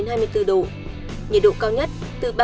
nhiệt độ cao nhất từ ba mươi một ba mươi bốn độ